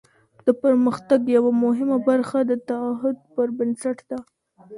د پرمختګ یوه مهمه برخه د تعهد پر بنسټ ده.